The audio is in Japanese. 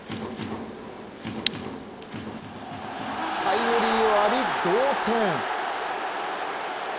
タイムリーを浴び同点。